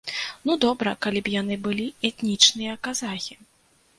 Ну добра, калі б яны былі этнічныя казахі.